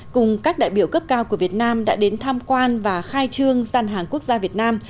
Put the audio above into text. cùng các đại biểu cấp cao của việt nam đã đến tham quan và khai trương gian hàng quốc gia việt nam